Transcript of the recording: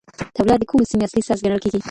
طبله د کومې سیمې اصلي ساز ګڼل کيږي؟